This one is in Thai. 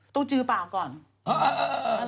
ตู้จือเปล่าก่อนเออเออเออ